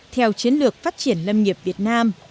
theo chiến lược phát triển lâm nghiệp việt nam